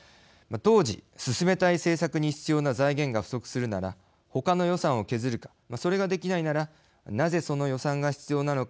当時、進めたい政策に必要な財源が不足するなら他の予算を削るかそれができないならなぜその予算が必要なのか